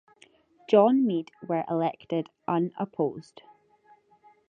John Meade were elected unopposed.